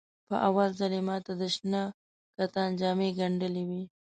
په اول ځل یې ماته د شنه کتان جامې ګنډلې وې.